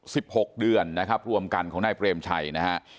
หกเดือนนะครับรวมกันของนายเปรมชัยนะฮะ